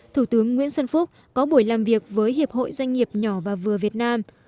thủ tướng nguyễn xuân phúc có buổi làm việc với hiệp hội doanh nghiệp nhỏ và vừa việt nam